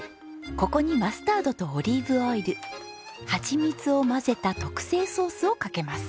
ここにマスタードとオリーブオイルハチミツを混ぜた特製ソースをかけます。